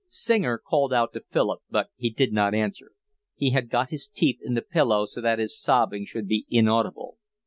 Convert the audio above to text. Singer called out to Philip, but he did not answer. He had got his teeth in the pillow so that his sobbing should be inaudible.